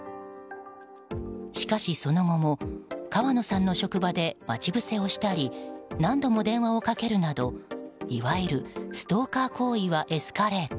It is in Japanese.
しかしその後も川野さんの職場で待ち伏せをしたり何度も電話をかけるなどいわゆるストーカー行為はエスカレート。